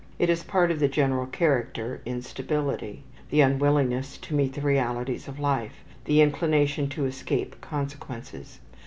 It is part of the general character instability, the unwillingness to meet the realities of life, the inclination to escape consequences.